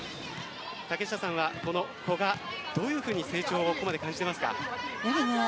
竹下さんは、この古賀どういうふうに成長を感じていますか？